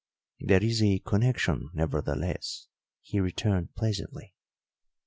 "There is a connection, nevertheless," he returned pleasantly.